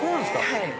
はい。